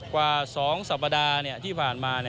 กว่า๒สัปดาห์ที่ผ่านมา